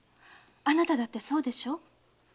あなただってそうでしょ？